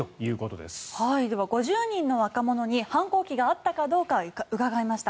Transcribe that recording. では、５０人の若者に反抗期があったかどうか伺いました。